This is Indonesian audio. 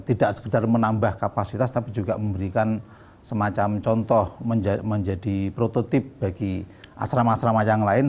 tidak sekedar menambah kapasitas tapi juga memberikan semacam contoh menjadi prototip bagi asrama asrama yang lain